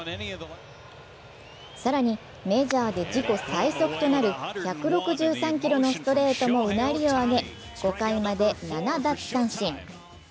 更にメジャーで自己最速となる１６３キロのストレートもうなりを上げ、５回まで７奪三振。